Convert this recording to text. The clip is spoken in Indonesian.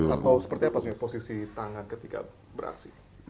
atau seperti apa sebenarnya posisi tangan ketika beraksi